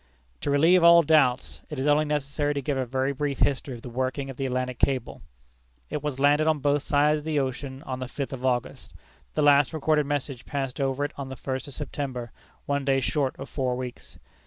To relieve all doubts, it is only necessary to give a very brief history of the working of the Atlantic cable. It was landed on both sides of the ocean on the fifth of August. The last recorded message passed over it on the first of September, one day short of four weeks.